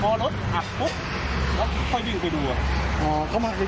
ก็พอรถอัดปุ๊บแล้วพี่ค่อยวิ่งไปดูอะ